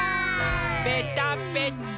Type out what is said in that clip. ぺたぺた。